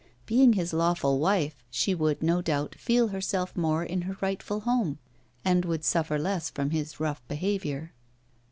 Being his lawful wife, she would, no doubt, feel herself more in her rightful home, and would suffer less from his rough behaviour.